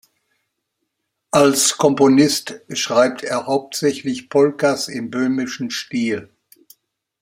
Als Komponist schreibt er hauptsächlich Polkas im böhmischen Stil.